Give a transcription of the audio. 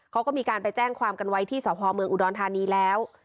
เขาก็มีการไปแจ้งความกันไว้ที่สพเมืองอุดรธานีแล้ว